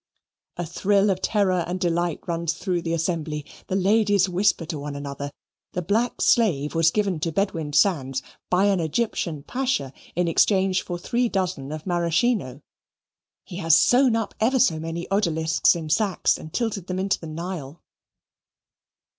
A thrill of terror and delight runs through the assembly. The ladies whisper to one another. The black slave was given to Bedwin Sands by an Egyptian pasha in exchange for three dozen of Maraschino. He has sewn up ever so many odalisques in sacks and tilted them into the Nile.